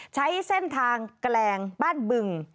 ใช้เส้นทางแกลงบ้านบึง